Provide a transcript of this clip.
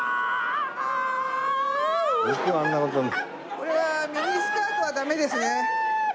これはミニスカートはダメですね。